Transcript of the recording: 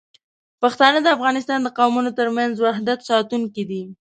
پښتانه د افغانستان د قومونو ترمنځ وحدت ساتونکي دي.